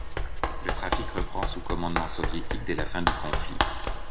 Le trafic reprend sous commandement soviétique dès la fin du conflit.